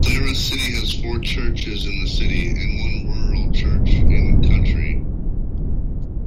Clara City has four churches in the city, and one rural church in country.